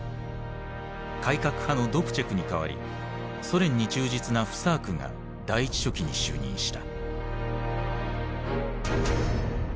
改革派のドプチェクに代わりソ連に忠実なフサークが第一書記に就任した。